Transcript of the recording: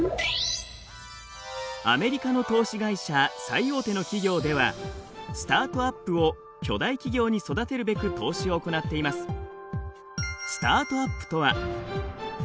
アメリカの投資会社最大手の企業ではスタートアップを巨大企業に育てるべく投資を行っています。